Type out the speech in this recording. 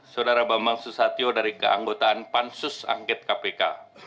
saudara bambang susatyo dari keanggotaan pansus angket kpk